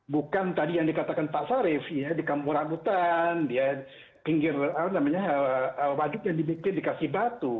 bukan tadi yang dikatakan pak sarif ya di kampung rambutan di pinggir wajib yang dibikin dikasih batu